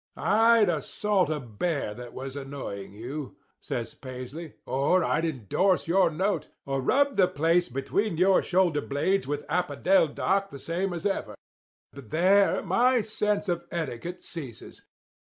I'd assault a bear that was annoying you,' says Paisley, 'or I'd endorse your note, or rub the place between your shoulder blades with opodeldoc the same as ever; but there my sense of etiquette ceases.